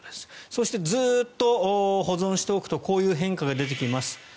そして、ずっと保存しておくとこういう変化が出てきます。